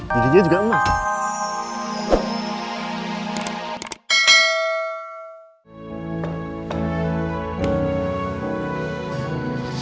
jadinya juga emas